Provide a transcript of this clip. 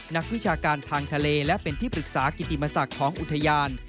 นักวิชาการทางทะเลและเป็นที่ปรึกษากิติมศักดิ์ของอุทยาน